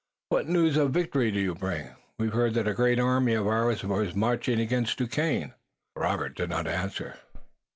What news of victory do you bring? We heard that a great army of ours was marching against Duquesne." Robert did not answer.